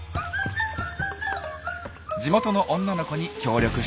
地元の女の子に協力してもらいます。